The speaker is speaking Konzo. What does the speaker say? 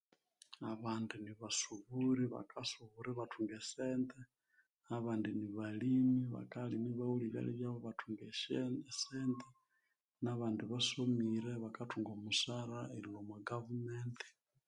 Abandi nibasuburi bakasubura ibathunga esente, abandi ni balimi bakalima ibaghulya ebyalya byabo ibathunga eshente esente, nabandi basomire bakathunga omusara erilhwa omwa gavumenti.